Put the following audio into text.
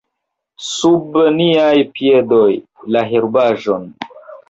Sub niaj piedoj: la herbaĵon!